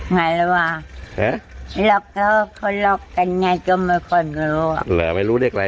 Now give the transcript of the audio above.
ไหวออกเลขอะไรยากจมไปคลอนเลยไม่รู้เล็กอ่ะไอ่